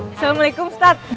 eh assalamualaikum ustadz